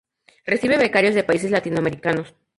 Recibe becarios de países latinoamericanos.